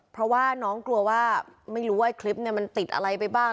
เพราะว่าน้องกลัวว่าไม่รู้ว่าคลิปมันติดอะไรไปบ้าง